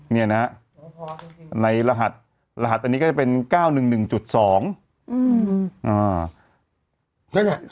เนี่ยน่ะในรหัสรหัสอันนี้ก็จะเป็นเก้าหนึ่งหนึ่งจุดสองอืมอ่า